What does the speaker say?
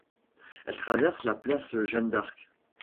Elle traverse la place Jeanne-d'Arc.